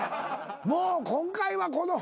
もう今回はこの。